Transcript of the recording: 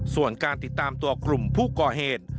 ส่วนการติดตามตัวกลุ่มผู้ก่อเหตุ